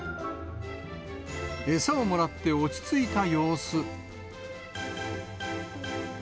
餌をもらって落ち着いた様子。